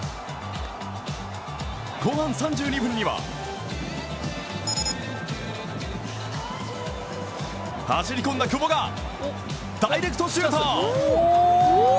後半３２分には走り込んだ久保がダイレクトシュート。